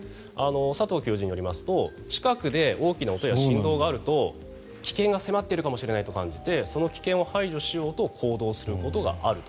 佐藤教授によりますと近くで大きな音や振動があると危険が迫っているかもしれないと感じてその危険を排除しようと行動することがあると。